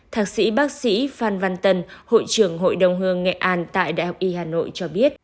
thạc sĩ bác sĩ phan văn tân hội trưởng hội đồng hương nghệ an tại đại học y hà nội cho biết